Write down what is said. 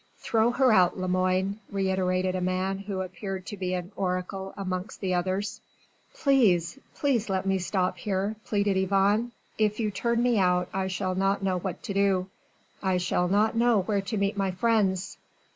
"Throw her out, Lemoine," reiterated a man who appeared to be an oracle amongst the others. "Please! please let me stop here!" pleaded Yvonne; "if you turn me out I shall not know what to do: I shall not know where to meet my friends...."